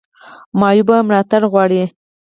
معیوب ملاتړ غواړي